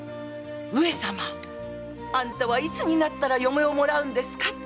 上様あんたはいつになったら嫁をもらうんですか？